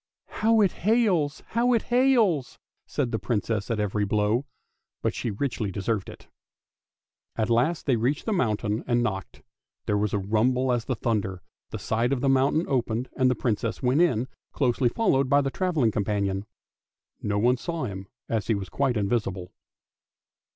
" How it hails, how it hails! " said the Princess at every blow, but^she richly deserved it. At last they reached the mountain and knocked; there was a rumble as of thunder, the side of the mountain opened, and the Princess went in, closely followed by the travelling companion. No one saw him, as he was quite invisible.